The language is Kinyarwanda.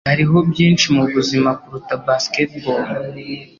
Hariho byinshi mubuzima kuruta basketball.